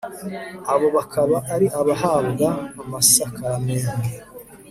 abo bakaba ari abahabwa amasakaramentu